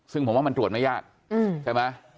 ซึ่งผมว่ามันตรวจไม่ยากใช่ไหม